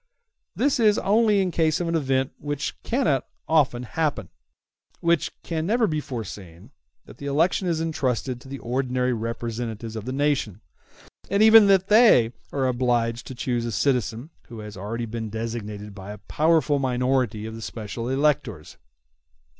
] Thus it is only in case of an event which cannot often happen, and which can never be foreseen, that the election is entrusted to the ordinary representatives of the nation; and even then they are obliged to choose a citizen who has already been designated by a powerful minority of the special electors.